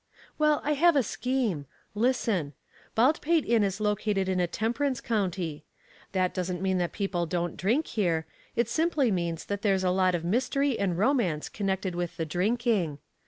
"Well, I have a scheme. Listen. Baldpate Inn is located in a temperance county. That doesn't mean that people don't drink here it simply means that there's a lot of mystery and romance connected with the drinking.